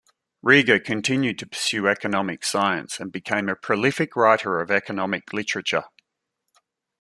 Rieger continued to pursue economic science and became a prolific writer of economic literature.